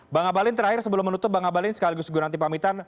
bang abalin terakhir sebelum menutup bang abalin sekali lagi segera nanti pamitan